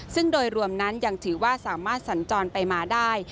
ซึ่งโดยรวมนั้นยังถือว่าสามารถสัญจรไปมาได้